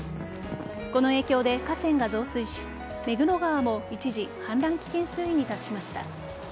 この影響で河川が増水し目黒川も一時、氾濫危険水位に達しました。